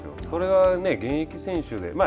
それは現役選手で。